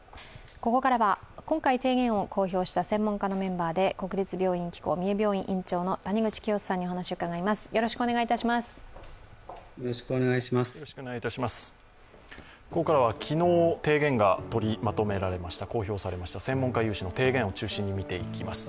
ここからは今回提言を公表した専門家のメンバーで国立病院機構三重病院院長の谷口清州さんにお話を伺います。